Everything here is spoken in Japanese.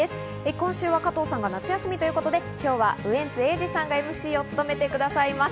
今週は加藤さんが夏休みということで、今日はウエンツ瑛士さんがＭＣを務めてくださいます。